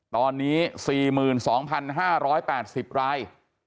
ตอนนี้๔๒๕๘๐ราย